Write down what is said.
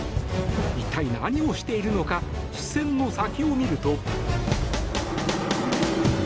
一体、何をしているのか視線の先を見ると。